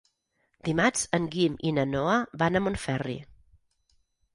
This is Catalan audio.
Dimarts en Guim i na Noa van a Montferri.